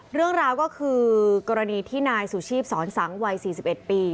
เรื่องราวก็คือกรณีที่นายสุชีพสอนสังวัย๔๑ปี